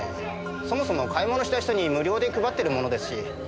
そもそも買い物した人に無料で配ってるものですし。